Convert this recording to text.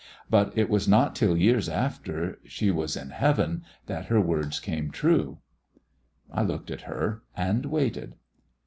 But it was not till years after she was in heaven that her words came true." I looked at her and waited.